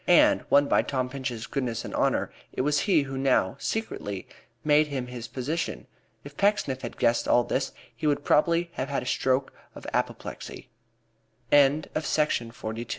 And, won by Tom Pinch's goodness and honor, it was he who now, secretly, made him this position. If Pecksniff had guessed all this, he would probably have had a stroke of apoplexy. III JONAS G